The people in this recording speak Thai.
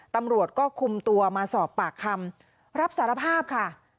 ตำรวจก็คุมตัวมาสอบปากคำรับสารภาพค่ะ